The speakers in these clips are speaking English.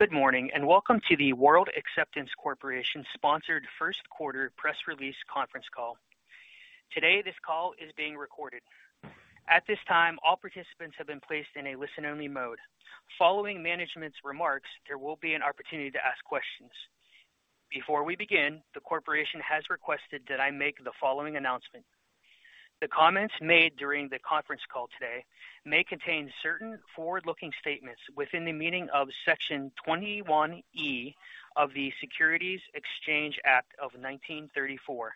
Good morning, and welcome to the World Acceptance Corporation sponsored Q1 press release conference call. Today, this call is being recorded. At this time, all participants have been placed in a listen-only mode. Following management's remarks, there will be an opportunity to ask questions. Before we begin, the corporation has requested that I make the following announcement. The comments made during the conference call today may contain certain forward-looking statements within the meaning of Section 21E of the Securities Exchange Act of 1934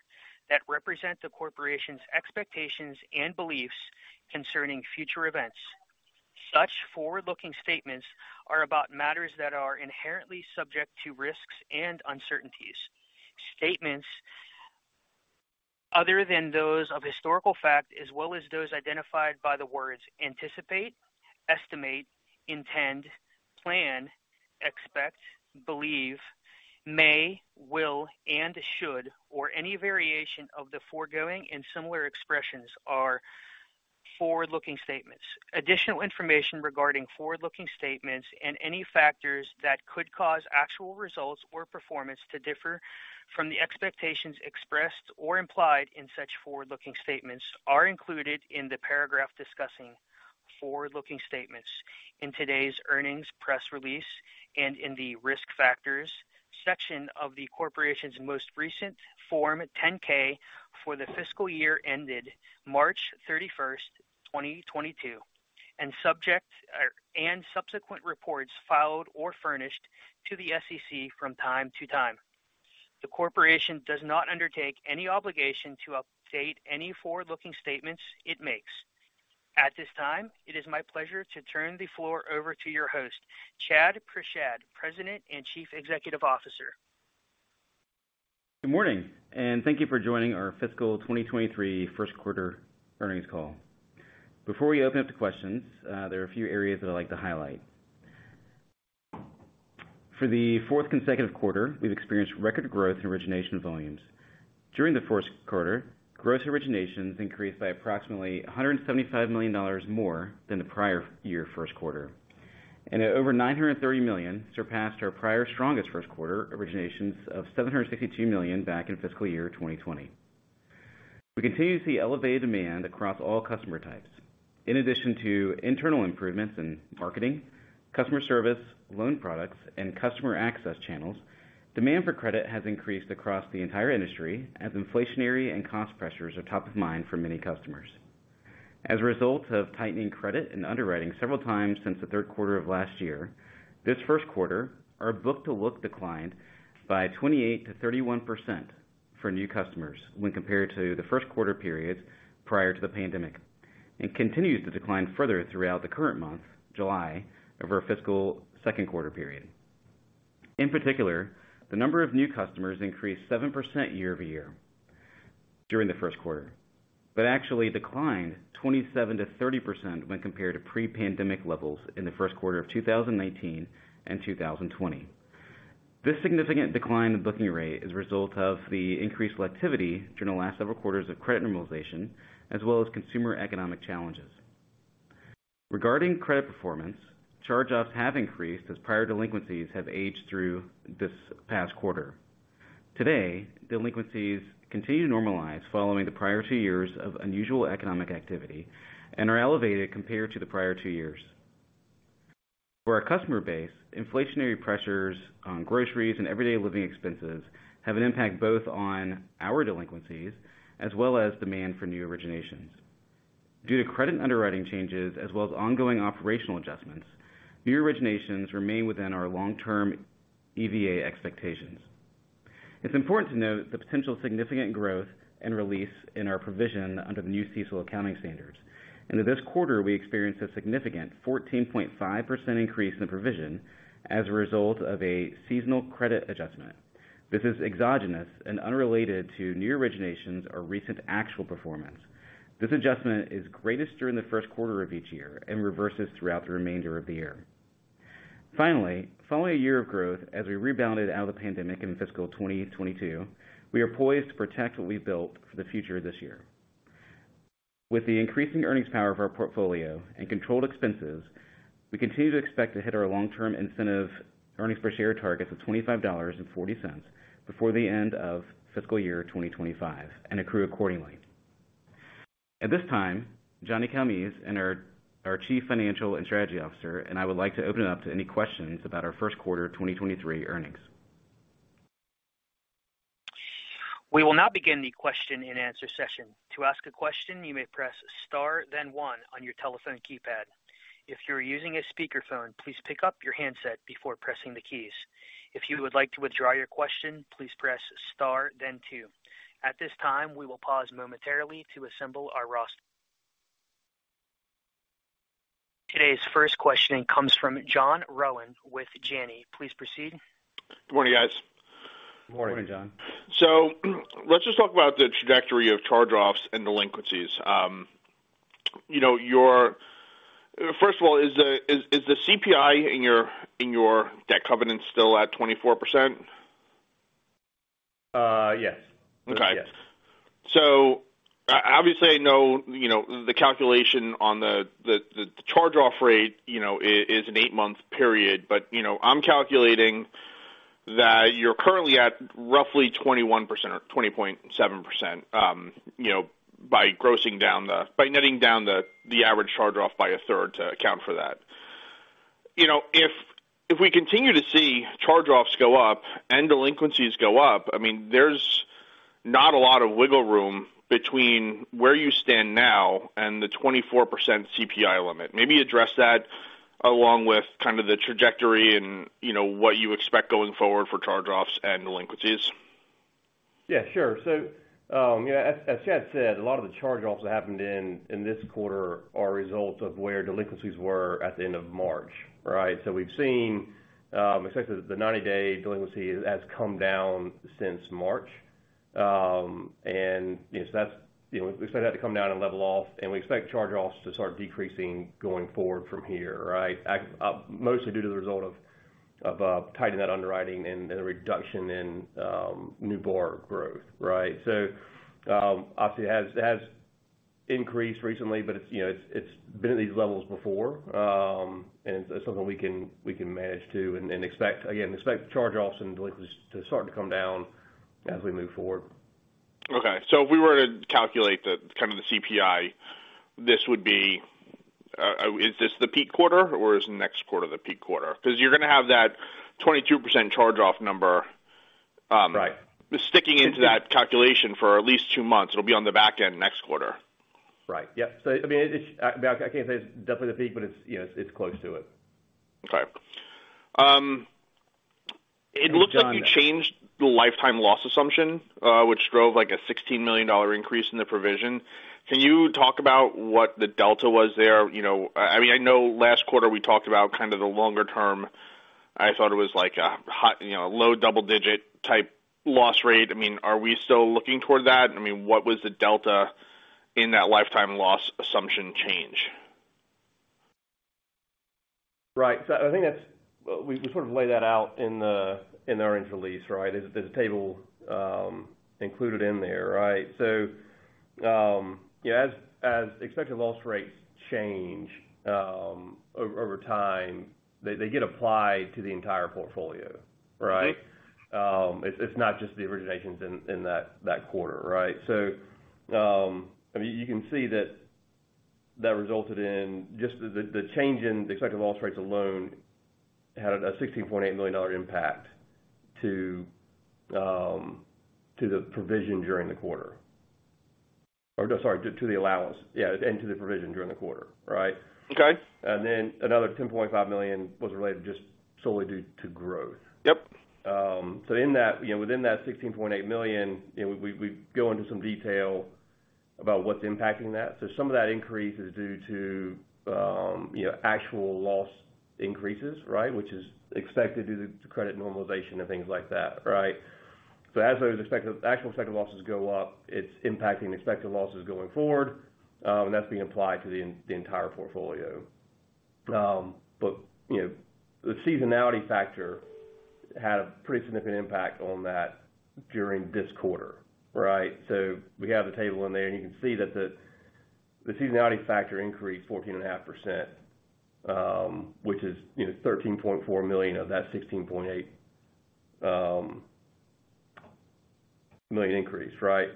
that represent the corporation's expectations, and beliefs concerning future events. Such forward-looking statements are about matters that are inherently subject to risks and uncertainties. Statements other than those of historical fact, as well as those identified by the words anticipate, estimate, intend, plan, expect, believe, may, will and should or any variation of the foregoing and similar expressions are forward-looking statements. Additional information regarding forward-looking statements and any factors that could cause actual results or performance to differ from the expectations expressed or implied in such forward-looking statements are included in the paragraph discussing forward-looking statements in today's earnings press release and in the Risk Factors section of the corporation's most recent Form 10-K for the fiscal year ended March 31, 2022, and subsequent reports filed or furnished to the SEC from time to time. The corporation does not undertake any obligation to update any forward-looking statements it makes. At this time, it is my pleasure to turn the floor over to your host, Chad Prashad, President and Chief Executive Officer. Good morning, and thank you for joining our fiscal 2023 Q1 earnings call. Before we open up to questions, there are a few areas that I'd like to highlight. For the fourth consecutive quarter, we've experienced record growth in origination volumes. During the Q1, gross originations increased by approximately $175 million more than the prior year Q1. At over $930 million, surpassed our prior strongest Q1 originations of $762 million back in fiscal year 2020. We continue to see elevated demand across all customer types. In addition to internal improvements in marketing, customer service, loan products, and customer access channels, demand for credit has increased across the entire industry as inflationary and cost pressures are top of mind for many customers. As a result of tightening credit and underwriting several times since the third quarter of last year, this Q1, our look-to-book declined by 28%-31% for new customers when compared to the Q1 periods prior to the pandemic, and continues to decline further throughout the current month, July, of our fiscal second quarter period. In particular, the number of new customers increased 7% year-over-year during the Q1, but actually declined 27%-30% when compared to pre-pandemic levels in the Q1 of 2019 and 2020. This significant decline in booking rate is a result of the increased selectivity during the last several quarters of credit normalization, as well as consumer economic challenges. Regarding credit performance, charge-offs have increased as prior delinquencies have aged through this past quarter. Today, delinquencies continue to normalize following the prior two years of unusual economic activity, and are elevated compared to the prior two years. For our customer base, inflationary pressures on groceries, and everyday living expenses have an impact both on our delinquencies as well as demand for new originations. Due to credit underwriting changes as well as ongoing operational adjustments, new originations remain within our long-term EVA expectations. It's important to note the potential significant growth, and release in our provision under the new CECL accounting standards. In this quarter, we experienced a significant 14.5% increase in the provision as a result of a seasonal credit adjustment. This is exogenous and unrelated to new originations or recent actual performance. This adjustment is greatest during the Q1 of each year and reverses throughout the remainder of the year. Finally, following a year of growth as we rebounded out of the pandemic in fiscal 2022, we are poised to protect what we built for the future this year. With the increasing earnings power of our portfolio and controlled expenses, we continue to expect to hit our long-term incentive earnings per share targets of $25.40 before the end of fiscal year 2025 and accrue accordingly. At this time, Johnny Calmes, our Chief Financial and Strategy Officer, and I would like to open it up to any questions about our Q1 2023 earnings. We will now begin the question and answer session. To ask a question, you may press star then one on your telephone keypad. If you're using a speakerphone, please pick up your handset before pressing the keys. If you would like to withdraw your question, please press star then two. At this time, we will pause momentarily to assemble our roster. Today's first question comes from John Rowan with Janney. Please proceed. Good morning, guys. Good morning, John. Let's just talk about the trajectory of charge-offs and delinquencies. You know, first of all, is the CPI in your debt covenant still at 24%? Yes. Okay. Yes. Obviously I know, you know, the calculation on the charge-off rate, you know, is an eight-month period. You know, I'm calculating that you're currently at roughly 21% or 20.7%, you know, by netting down the average charge-off by a third to account for that. You know, if we continue to see charge-offs go up and delinquencies go up, I mean, there's not a lot of wiggle room between where you stand now and the 24% CPI limit. Maybe address that along with kind of the trajectory and, you know, what you expect going forward for charge-offs and delinquencies. Yeah, sure. As Chad said, a lot of the charge-offs that happened in this quarter are a result of where delinquencies were at the end of March, right? We've seen the 90-day delinquency has come down since March. You know, that's you know. We expect that to come down and level off, and we expect charge-offs to start decreasing going forward from here, right? Mostly due to the result of tightening that underwriting and a reduction in new borrower growth, right? Obviously it has increased recently, but it's you know, it's been at these levels before. It's something we can manage and expect charge-offs and delinquencies to start to come down as we move forward. Okay. If we were to calculate the kind of the CPI, this would be, is this the peak quarter or is next quarter the peak quarter? Because you're gonna have that 22% charge-off number. Right Sticking into that calculation for at least two months. It'll be on the back end next quarter. Right. Yeah. I mean, I can't say it's definitely the peak, but it's, you know, it's close to it. Okay. It looks like. John. You changed the lifetime loss assumption, which drove like a $16 million increase in the provision. Can you talk about what the delta was there? You know, I mean, I know last quarter we talked about kind of the longer term. I thought it was like a hot, you know, low double digit type loss rate. I mean, are we still looking toward that? I mean, what was the delta in that lifetime loss assumption change? We sort of laid that out in the earnings release, right? There's a table included in there, right? You know, as expected loss rates change over time, they get applied to the entire portfolio, right? Mm-hmm. It's not just the originations in that quarter, right? I mean, you can see that resulted in just the change in the expected loss rates alone had a $16.8 million impact to the provision during the quarter. Or no, sorry, to the allowance. Yeah, and to the provision during the quarter, right? Okay. Another $10.5 million was related just solely due to growth. Yep. In that, you know, within that $16.8 million, you know, we go into some detail about what's impacting that. Some of that increase is due to, you know, actual loss increases, right? Which is expected due to credit normalization and things like that, right? As those actual expected losses go up, it's impacting expected losses going forward, and that's being applied to the entire portfolio. You know, the seasonality factor had a pretty significant impact on that during this quarter, right? We have the table in there, and you can see that the seasonality factor increased 14.5%, which is, you know, $13.4 million of that $16.8 million increase, right?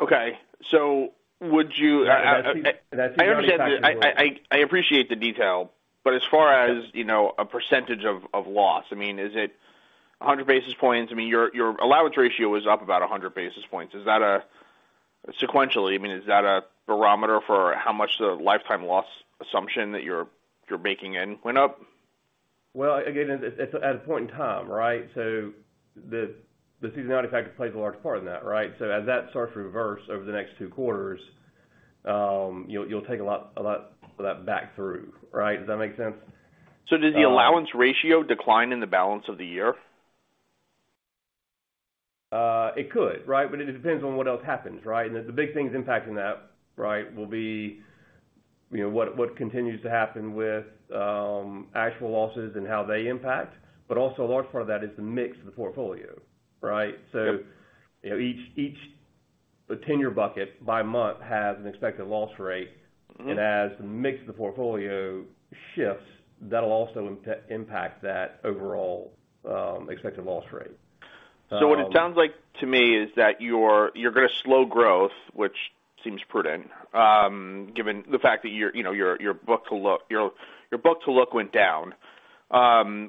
Okay. Yeah, that seasonality factor will. I understand. I appreciate the detail, but as far as, you know, a percentage of loss, I mean, is it 100 basis points? I mean, your allowance ratio was up about 100 basis points. Is that a barometer for how much the lifetime loss assumption that you're baking in went up? Well, again, it's at a point in time, right? The seasonality factor plays a large part in that, right? As that starts to reverse over the next two quarters, you'll take a lot of that back through, right? Does that make sense? Does the allowance ratio decline in the balance of the year? It could, right? It depends on what else happens, right? The big things impacting that, right, will be, you know, what continues to happen with actual losses and how they impact. Also a large part of that is the mix of the portfolio, right? Yep. You know, each tenure bucket by month has an expected loss rate. Mm-hmm. As the mix of the portfolio shifts, that'll also impact that overall expected loss rate. What it sounds like to me is that you're gonna slow growth, which seems prudent, given the fact that you know your look-to-book went down,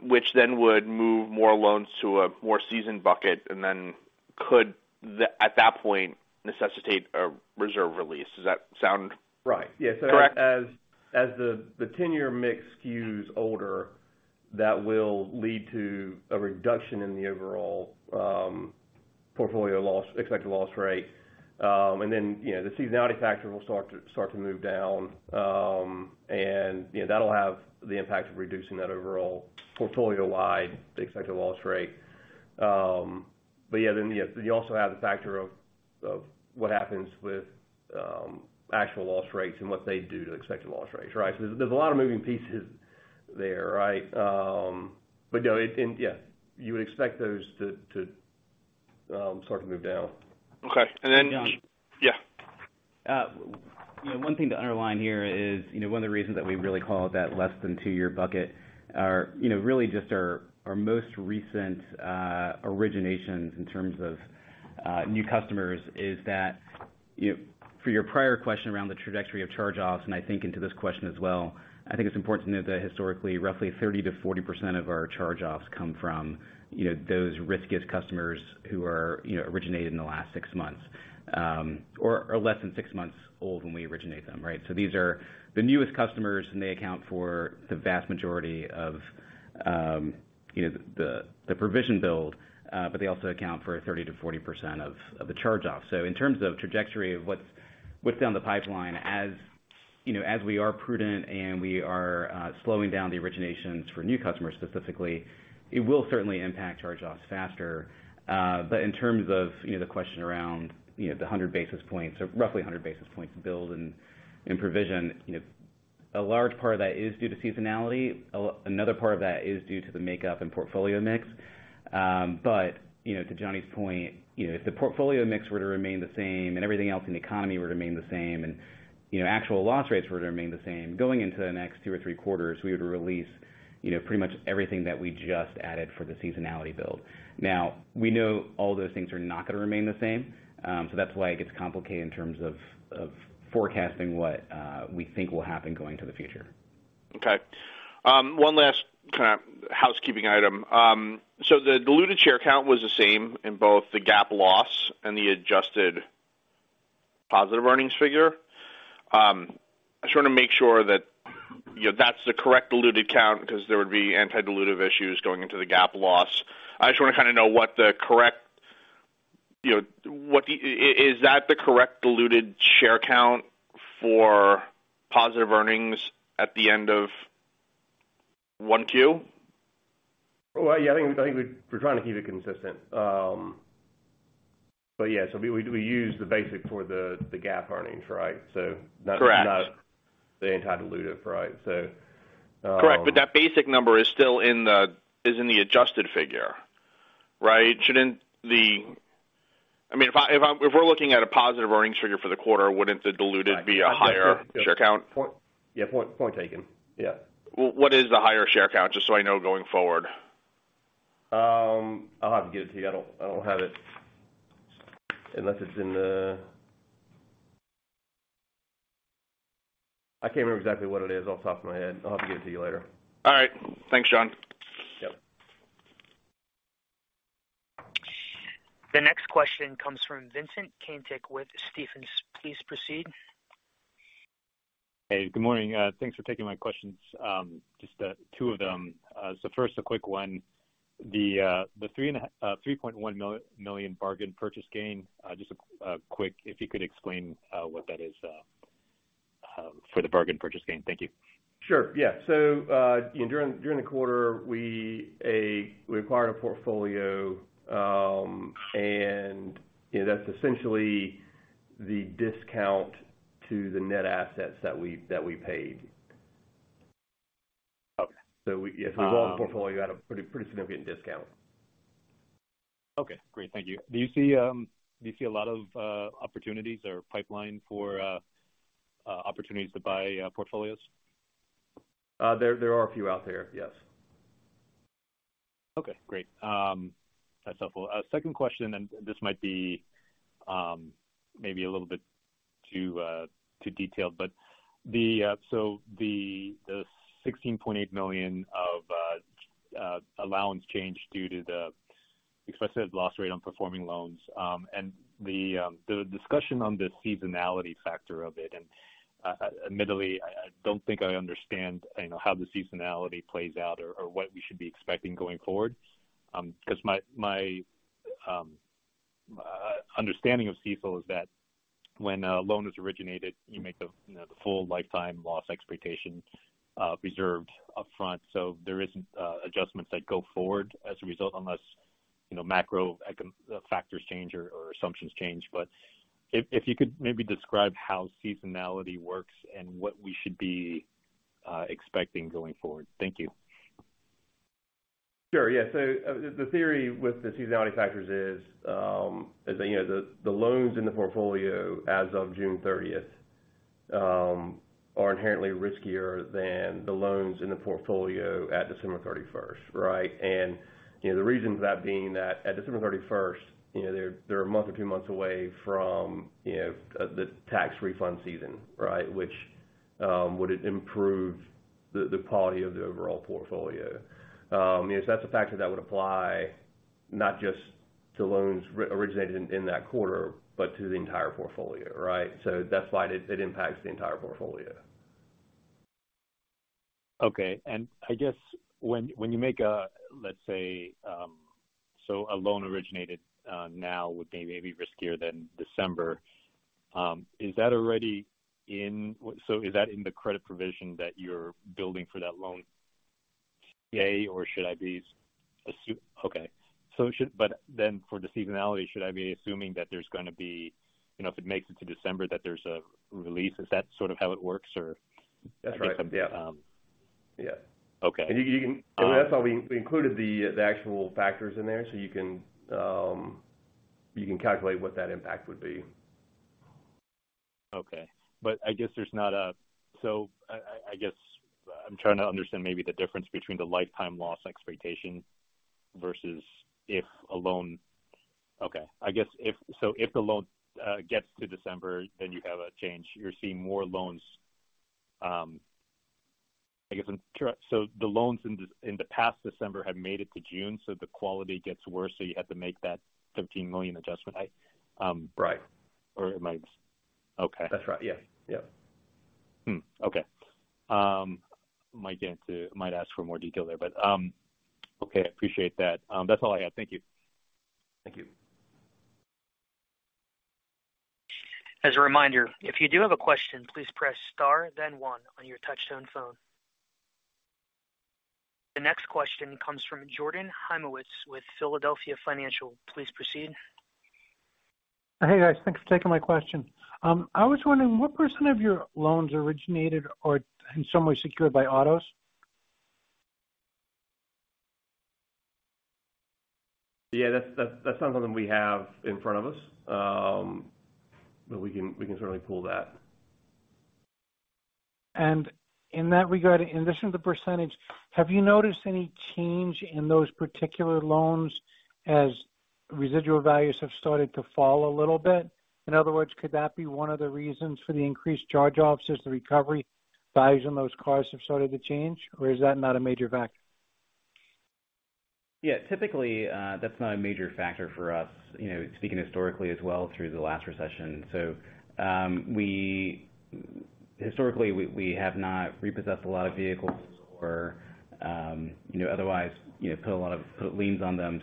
which then would move more loans to a more seasoned bucket, and then could at that point necessitate a reserve release. Does that sound- Right. Yeah. Correct? As the tenure mix skews older, that will lead to a reduction in the overall portfolio loss expected loss rate. The seasonality factor will start to move down. That'll have the impact of reducing that overall portfolio-wide expected loss rate. Yeah, then, yes, you also have the factor of what happens with actual loss rates, and what they do to expected loss rates, right? There's a lot of moving parts there, right? No, it and yeah, you would expect those to start to move down. Okay. Yeah. Yeah. You know, one thing to underline here is, you know, one of the reasons that we really call it that less than 2-year bucket are, you know, really just our most recent originations in terms of new customers is that, you know, for your prior question around the trajectory of charge-offs, and I think into this question as well, I think it's important to note that historically, roughly 30%-40% of our charge-offs come from, you know, those riskiest customers who are, you know, originated in the last six months, or are less than six months old when we originate them, right? These are the newest customers, and they account for the vast majority of, you know, the provision build, but they also account for 30%-40% of the charge-offs. In terms of trajectory of what's down the pipeline as you know as we are prudent and we are slowing down the originations for new customers specifically, it will certainly impact charge-offs faster. In terms of the question around you know the 100 basis points or roughly 100 basis points build and provision you know a large part of that is due to seasonality. Another part of that is due to the makeup and portfolio mix. To Johnny's point, you know, if the portfolio mix were to remain the same, and everything else in the economy were to remain the same and, you know, actual loss rates were to remain the same going into the next two or three quarters, we would release, you know, pretty much everything that we just added for the seasonality build. Now, we know all those things are not gonna remain the same, so that's why it gets complicated in terms of forecasting what we think will happen going into the future. Okay. One last kinda housekeeping item. The diluted share count was the same in both the GAAP loss and the adjusted positive earnings figure. I just wanna make sure that, you know, that's the correct diluted count because there would be anti-dilutive issues going into the GAAP loss. I just wanna kinda know you know, what is that the correct diluted share count for positive earnings at the end of 1Q? Well, yeah, I think we're trying to keep it consistent. Yeah, we use the basic for the GAAP earnings, right? Correct. Not the anti-dilutive, right? Correct, that basic number is still in the adjusted figure, right? Shouldn't I mean, if we're looking at a positive earnings figure for the quarter, wouldn't the diluted be a higher share count? Yeah. Point taken. Yeah. What is the higher share count, just so I know going forward? I'll have to get it to you. I don't have it. I can't remember exactly what it is off the top of my head. I'll have to get it to you later. All right. Thanks, John. Yep. The next question comes from Vincent Caintic with Stephens. Please proceed. Hey, good morning. Thanks for taking my questions. Just two of them. First, a quick one. The $3.1 million bargain purchase gain, just a quick if you could explain what that is for the bargain purchase gain. Thank you. Sure. Yeah. You know, during the quarter, we acquired a portfolio, and you know, that's essentially the discount to the net assets that we paid. Okay. We, yes, we bought a portfolio at a pretty significant discount. Okay, great. Thank you. Do you see a lot of opportunities or pipeline for opportunities to buy portfolios? There are a few out there, yes. Okay, great. That's helpful. Second question, and this might be maybe a little bit too detailed, but so the $16.8 million of allowance change due to the expected loss rate on performing loans, and the discussion on the seasonality factor of it. Admittedly, I don't think I understand, you know, how the seasonality plays out or what we should be expecting going forward. Because my understanding of CECL is that when a loan is originated, you make the, you know, the full lifetime loss expectation reserved upfront. There isn't adjustments that go forward as a result unless, you know, macroeconomic factors change or assumptions change. If you could maybe describe how seasonality works and what we should be expecting going forward. Thank you. Sure. Yeah. The theory with the seasonality factors is that, you know, the loans in the portfolio as of June thirtieth are inherently riskier than the loans in the portfolio at December thirty-first, right? You know, the reason for that being that at December thirty-first, you know, they're a month or two months away from, you know, the tax refund season, right? Which would improve the quality of the overall portfolio. You know, that's a factor that would apply not just to loans originated in that quarter, but to the entire portfolio, right? That's why it impacts the entire portfolio. Okay. I guess when you make a, let's say, a loan originated now would be maybe riskier than December. Is that already in the credit provision that you're building for that loan? Yeah. But then for the seasonality, should I be assuming that there's gonna be, you know, if it makes it to December, that there's a release. Is that sort of how it works? That's right. Yeah. Um. Yeah. Okay. That's why we included the actual factors in there, so you can calculate what that impact would be. I guess I'm trying to understand maybe the difference between the lifetime loss expectation versus if a loan. Okay, I guess if the loan gets to December, then you have a change. You're seeing more loans. The loans in the past December have made it to June, so the quality gets worse, so you had to make that $15 million adjustment. Right. Okay. That's right. Yes. Yep. Okay. Might ask for more detail there, but okay, appreciate that. That's all I had. Thank you. Thank you. As a reminder, if you do have a question, please press star, then one on your touchtone phone. The next question comes from Jordan Hymowitz with Philadelphia Financial Management. Please proceed. Hey, guys. Thanks for taking my question. I was wondering what % of your loans originated or in some way secured by autos? Yeah, that's not something we have in front of us. But we can certainly pull that. In that regard, in addition to percentage, have you noticed any change in those particular loans as residual values have started to fall a little bit? In other words, could that be one of the reasons for the increased charge-offs as the recovery values on those cars have started to change? Or is that not a major factor? Yeah, typically, that's not a major factor for us. You know, speaking historically as well through the last recession. Historically, we have not repossessed a lot of vehicles or, you know, otherwise, you know, put liens on them.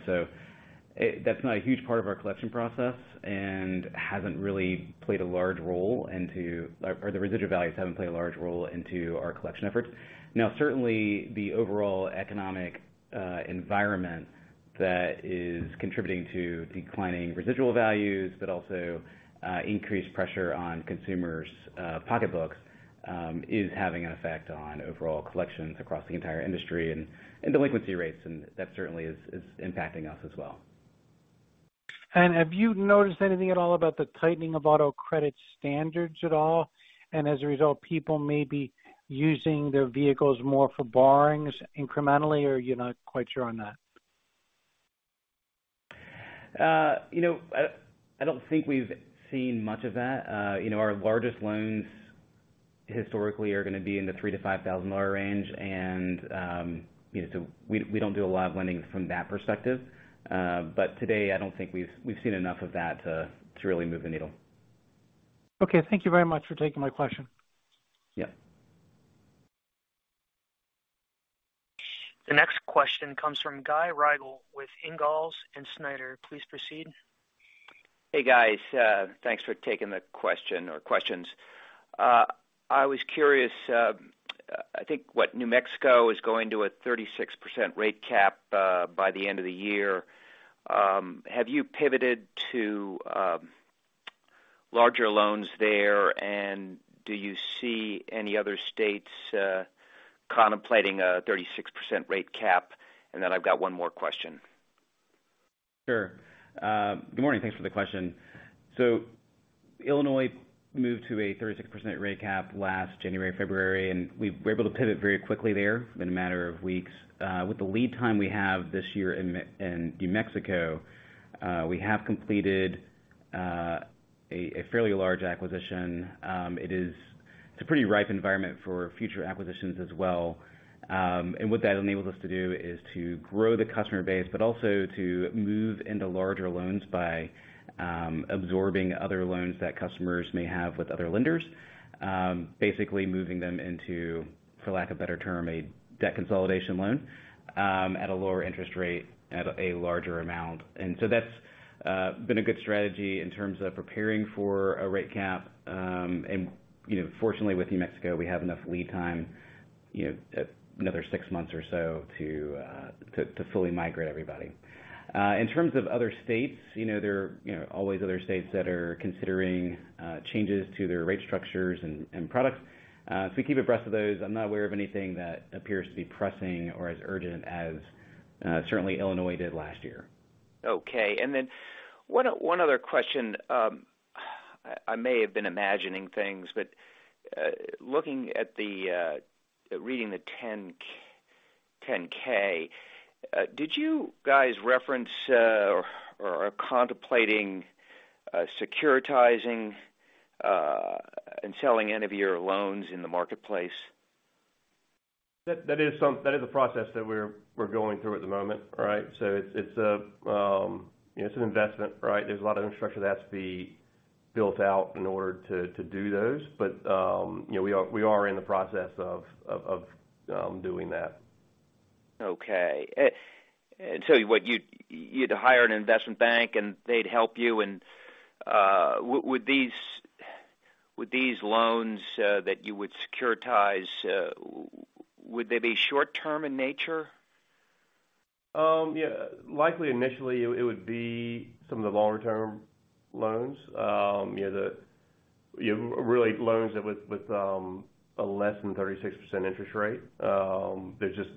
That's not a huge part of our collection process and hasn't really played a large role into or the residual values haven't played a large role into our collection efforts. Now, certainly the overall economic environment that is contributing to declining residual values, but also, increased pressure on consumers' pocketbooks, is having an effect on overall collections across the entire industry and delinquency rates, and that certainly is impacting us as well. Have you noticed anything at all about the tightening of auto credit standards at all? As a result, people may be using their vehicles more for borrowings incrementally, or you're not quite sure on that? You know, I don't think we've seen much of that. You know, our largest loans historically are gonna be in the $3,000-$5,000 range and, you know, so we don't do a lot of lending from that perspective. Today, I don't think we've seen enough of that to really move the needle. Okay. Thank you very much for taking my question. Yeah. The next question comes from Guy Riegel with Ingalls & Snyder. Please proceed. Hey, guys. Thanks for taking the question or questions. I was curious. I think New Mexico is going to a 36% rate cap by the end of the year. Have you pivoted to larger loans there? Do you see any other states contemplating a 36% rate cap? I've got one more question. Sure. Good morning. Thanks for the question. Illinois moved to a 36% rate cap last January, February, and we were able to pivot very quickly there in a matter of weeks. With the lead time we have this year in New Mexico, we have completed a fairly large acquisition. It is a pretty ripe environment for future acquisitions as well. What that enables us to do is to grow the customer base, but also to move into larger loans by absorbing other loans that customers may have with other lenders. Basically moving them into, for lack of better term, a debt consolidation loan at a lower interest rate at a larger amount. That's been a good strategy in terms of preparing for a rate cap. You know, fortunately with New Mexico, we have enough lead time, you know, another six months or so to fully migrate everybody. In terms of other states, you know, there are, you know, always other states that are considering changes to their rate structures and products. We keep abreast of those. I'm not aware of anything that appears to be pressing or as urgent as certainly Illinois did last year. Okay. One other question. I may have been imagining things, but reading the 10-K, did you guys reference or are contemplating securitizing, and selling end-of-year loans in the marketplace? That is a process that we're going through at the moment, right? It's an investment, right? There's a lot of infrastructure that has to be built out in order to do those. You know, we are in the process of doing that. Okay. What you'd hire an investment bank, and they'd help you and would these loans that you would securitize would they be short-term in nature? Yeah, likely initially it would be some of the longer-term loans. You know, the you know really loans that with a less than 36% interest rate. There's just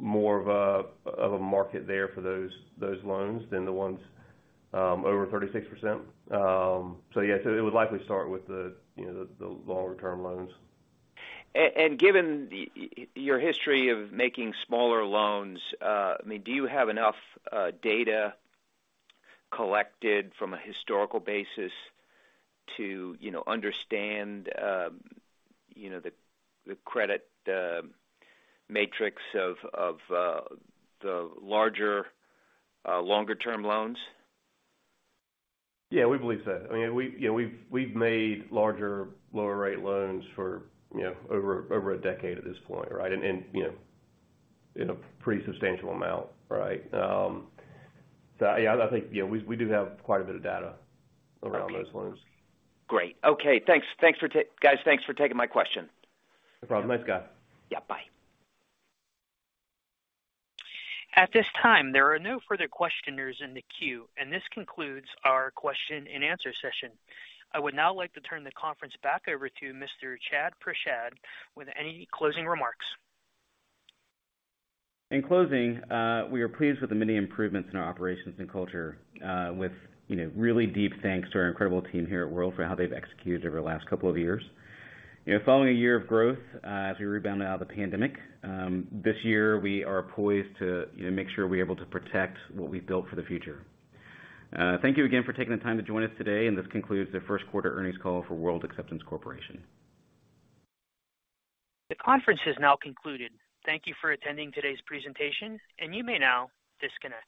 more of a market there for those loans than the ones over 36%. Yeah, so it would likely start with the you know the longer-term loans. Given your history of making smaller loans, I mean, do you have enough data collected from a historical basis to, you know, understand, you know, the credit matrix of the larger longer-term loans? Yeah, we believe so. I mean, we, you know, we've made larger, lower rate loans for, you know, over a decade at this point, right? You know, in a pretty substantial amount, right? Yeah, I think, you know, we do have quite a bit of data around those loans. Great. Okay, thanks. Guys, thanks for taking my question. No problem. Thanks, Guy. Yeah, bye. At this time, there are no further questioners in the queue, and this concludes our question and answer session. I would now like to turn the conference back over to Mr. Chad Prashad with any closing remarks. In closing, we are pleased with the many improvements in our operations and culture, with, you know, really deep thanks to our incredible team here at World for how they've executed over the last couple of years. You know, following a year of growth, as we rebound out of the pandemic, this year we are poised to, you know, make sure we're able to protect what we've built for the future. Thank you again for taking the time to join us today, and this concludes the earnings call for World Acceptance Corporation. The conference has now concluded. Thank you for attending today's presentation, and you may now disconnect.